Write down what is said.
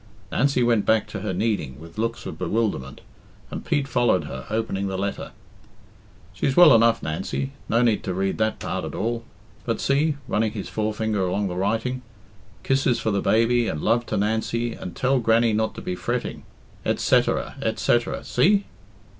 Nancy went back to her kneading with looks of bewilderment, and Pete followed her, opening the letter. "She's well enough, Nancy no need to read that part at all. But see," running his forefinger along the writing "'Kisses for the baby, and love to Nancy, and tell Grannie not to be fretting? et setterer, et setterer. See?"